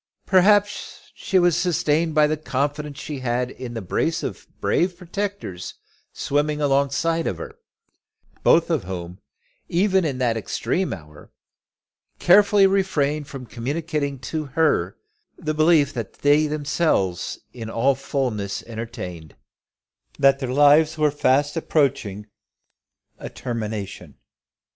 Perhaps she was sustained by the confidence she had in the brace of brave protectors swimming alongside of her, both of whom, even in that extreme hour, carefully refrained from communicating to her the belief which they themselves in all fulness entertained, that their lives were fast approaching to a termination.